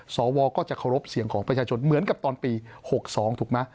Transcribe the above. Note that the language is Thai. สวก็จะเคารพเสียงของประชาชนเหมือนกับตอนปี๖๒ถูกไหม